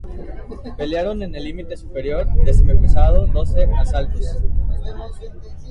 Pelearon en el límite superior de semipesado doce asaltos.